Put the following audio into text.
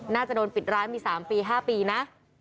น่าจะโดนปิดร้านมี๓ปี๕ปีนะ